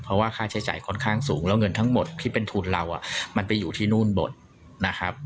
เพราะว่าค่าใช้จ่ายค่อนข้างสูงแล้วเงินทั้งหมดที่เป็นทุนเรามันไปอยู่ที่นู่นหมดนะครับ